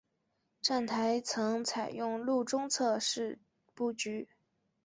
站台层采用路中侧式布局。